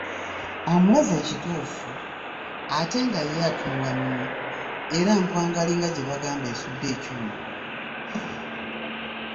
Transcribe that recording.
Omulaze ekituufu ate nga ye atunula minwe era mpwangali nga gye bagamba esudde ekyuma!